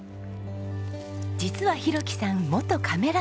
実は浩樹さん元カメラマン。